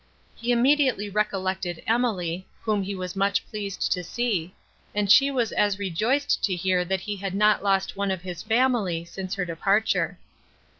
He immediately recollected Emily, whom he was much pleased to see, and she was as rejoiced to hear, that he had not lost one of his family, since her departure.